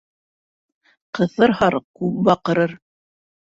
Ҡыҫыр һарыҡ күп баҡырыр.